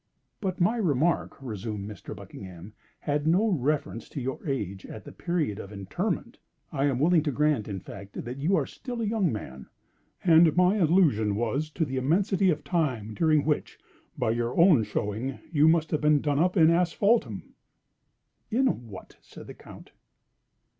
"But my remark," resumed Mr. Buckingham, "had no reference to your age at the period of interment (I am willing to grant, in fact, that you are still a young man), and my illusion was to the immensity of time during which, by your own showing, you must have been done up in asphaltum." "In what?" said the Count.